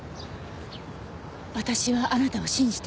私はあなたを信じてる。